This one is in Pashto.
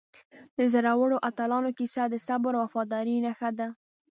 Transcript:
د زړورو اتلانو کیسه د صبر او وفادارۍ نښه ده.